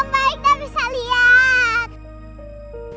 yeay om baik udah bisa lihat